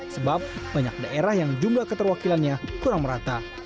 sebab banyak daerah yang jumlah keterwakilannya kurang merata